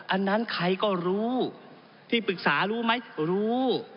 อันนั้นใครก็รู้ที่ปรึกษารู้ไหมรู้